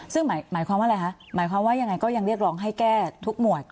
ซึ่งหมายความว่าอะไรคะหมายความว่ายังไงก็ยังเรียกร้องให้แก้ทุกหมวด